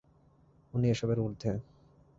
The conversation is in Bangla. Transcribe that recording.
উনি এসবের উর্ধে।